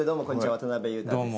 渡辺裕太です。